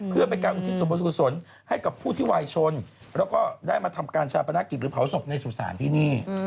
เพื่อไปการอุทิศบทสุขสนต์ให้กับผู้ที่วายชนแล้วก็ได้มาทำการชาปนากิจหรือเผาศพในสู่ศาลที่นี่